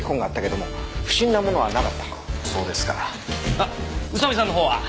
あっ宇佐見さんのほうは？